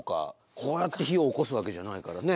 こうやって火をおこすわけじゃないからね。